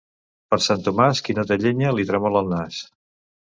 Per Sant Tomàs, qui no té llenya, li tremola el nas.